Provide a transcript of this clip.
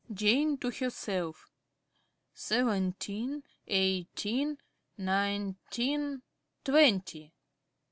~Jane~ (to herself). Seventeen, eighteen, nineteen, twenty.